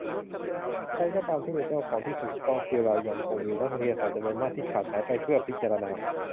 ใครก็ตามที่เป็นเจ้าของที่ถูกต้องคือเรายังคงมีนักวิทยาศาสตร์จำนวนมากที่ขาดหายไปเพื่อพิจารณา